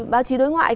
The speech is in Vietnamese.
báo chí đối ngoại